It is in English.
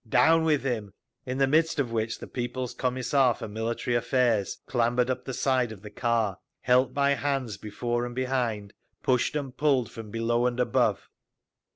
Down with him!" in the midst of which the People's Commissar for Military Affairs clambered up the side of the car, helped by hands before and behind, pushed and pulled from below and above.